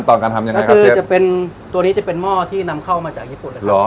ตอนการทำยังไงก็คือจะเป็นตัวนี้จะเป็นหม้อที่นำเข้ามาจากญี่ปุ่นเลยเหรอ